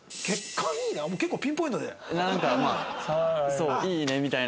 そう「いいね」みたいな。